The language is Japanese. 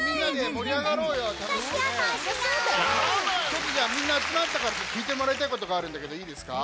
ちょっとじゃあみんなあつまったからきいてもらいたいことがあるんだけどいいですか？